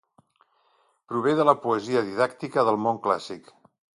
Prové de la poesia didàctica del món clàssic.